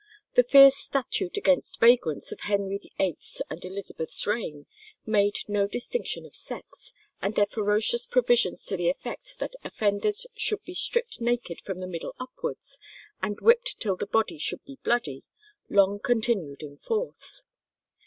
The fierce statute against vagrants of Henry VIII's and Elizabeth's reign made no distinction of sex, and their ferocious provisions to the effect that offenders "should be stripped naked from the middle upwards, and whipped till the body should be bloody," long continued in force.